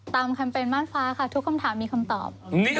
ตามคำเป็นมานฟ้าค่ะทุกคำถามมีคำตอบ